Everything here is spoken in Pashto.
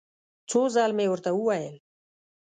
څو ځل مې ورته وویل.